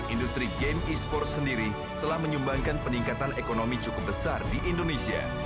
industri game e sports sendiri telah menyumbangkan peningkatan ekonomi cukup besar di indonesia